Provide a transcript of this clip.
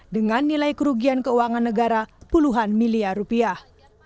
dengan nilai kerugian keuangan negara puluhan miliar rupiah